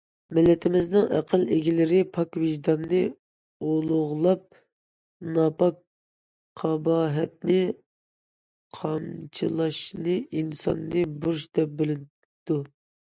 مىللىتىمىزنىڭ ئەقىل ئىگىلىرى پاك ۋىجدانىنى ئۇلۇغلاپ، ناپاك قاباھەتنى قامچىلاشنى ئىنسانى بۇرچ دەپ بىلىدۇ.